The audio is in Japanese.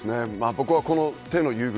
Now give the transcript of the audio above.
僕はこの手の遊具